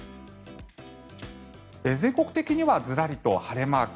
全国的にはずらりと晴れマーク。